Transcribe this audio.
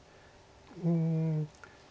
うん。